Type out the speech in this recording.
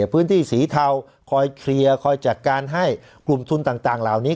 พื้นที่สีเทาคอยเคลียร์คอยจัดการให้กลุ่มทุนต่างเหล่านี้